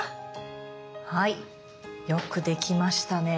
はいよく出来ましたね。